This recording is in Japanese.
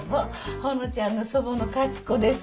ほのちゃんの祖母の勝子です。